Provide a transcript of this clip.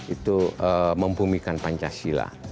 itu membumikan pancasila